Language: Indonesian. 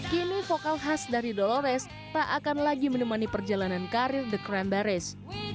kini vokal khas dari dolores tak akan lagi menemani perjalanan karir the crown baris